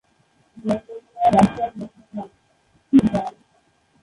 জঙ্গল মিয়া রাস্তার মাথা খাল।